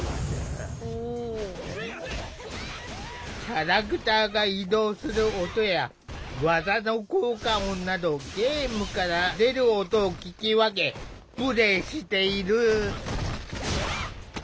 キャラクターが移動する音や技の効果音などゲームから出る音を聞き分けプレイしている。